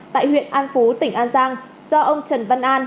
tại huyện an phú tỉnh an giang do ông trần văn an